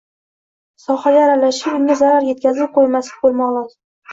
– sohaga aralashib unga zarar yetkazib qo‘ymaslik bo‘lmog‘i lozim.